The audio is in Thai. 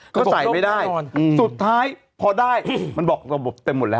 ก็ใส่ไม่ได้สุดท้ายพอได้มันบอกระบบเต็มหมดแล้ว